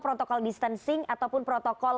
protokol distancing ataupun protokol